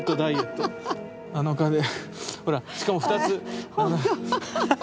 ほらしかも２つ。